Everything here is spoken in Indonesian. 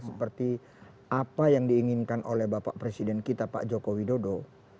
seperti apa yang diinginkan oleh bapak presiden kita pak joko widodo